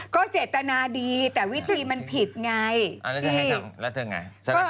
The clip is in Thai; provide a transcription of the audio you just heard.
ก็เจรตนาดีแต่วิธีมันผิดไงเอาละจะให้ทำแล้วเธอไง